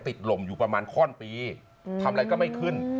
หล่มอยู่ประมาณข้อนปีทำอะไรก็ไม่ขึ้น